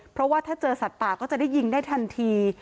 เพราะว่าถ้าเจอสัตว์ป่าก็จะได้ยิงได้ทันที